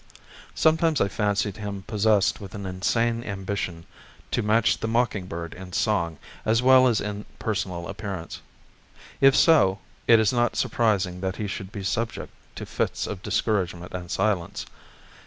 Sometimes I fancied him possessed with an insane ambition to match the mocking bird in song as well as in personal appearance. If so, it is not surprising that he should be subject to fits of discouragement and silence.